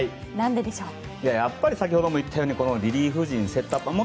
やっぱり先ほども言ったようにリリーフ陣セットアッパーが。